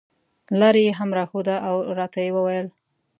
لاره یې هم راښوده او راته یې وویل.